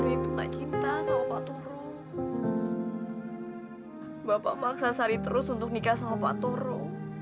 itu enggak cinta sama pak turo bapak maksa sari terus untuk nikah sama pak turo